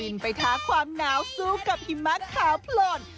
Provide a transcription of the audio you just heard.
ไปท้าความหนาวสู้กับหิมะขาวโปรน